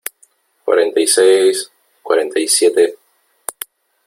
cuarenta y seis , cuarenta y siete .